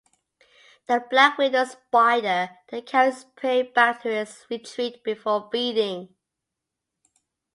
The black widow spider then carries its prey back to its retreat before feeding.